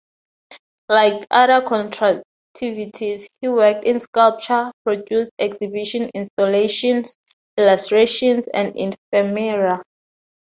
Like other Constructivists he worked in sculpture, produced exhibition installations, illustrations and ephemera.